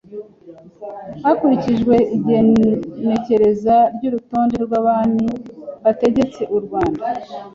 hakurikijwe igenekereza ry’urutonde rw’Abami bategetse u Rwanda